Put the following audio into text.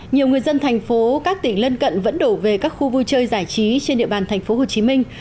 nhiều người dân thành phố các tỉnh lân cận vẫn đổ về các khu vui chơi giải trí trên địa bàn thành phố hồ chí minh